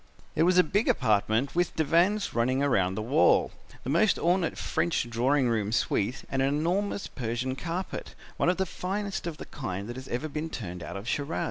"It was a big apartment with divans running round the wall, the most ornate French drawing room suite and an enormous Persian carpet, one of the finest of the kind that has ever been turned out of Shiraz.